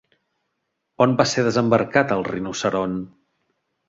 On va ser desembarcat el rinoceront?